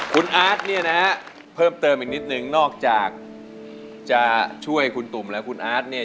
คุณอาร์ตเนี่ยนะฮะเพิ่มเติมอีกนิดนึงนอกจากจะช่วยคุณตุ่มและคุณอาร์ตเนี่ย